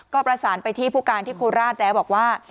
ก็ประสานไปที่ผู้การที่โคราชแล้วบอกว่า